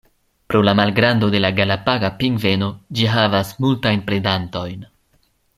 Pro la malgrando de la Galapaga pingveno, ĝi havas multajn predantojn.